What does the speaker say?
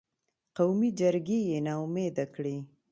قومي جرګې یې نا امیده کړې.